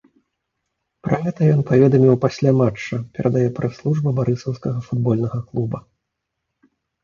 Пра гэта ён паведаміў пасля матча, перадае прэс-служба барысаўскага футбольнага клуба.